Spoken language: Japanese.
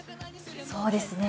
そうですね。